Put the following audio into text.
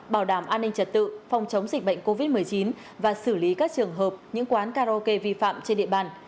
bảo đảm an ninh trật tự phòng chống dịch bệnh covid một mươi chín và xử lý các trường hợp những quán karaoke vi phạm trên địa bàn